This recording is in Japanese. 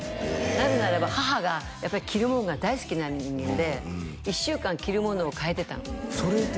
なぜならば母がやっぱり着るものが大好きな人間で１週間着るものをかえてたのそれで？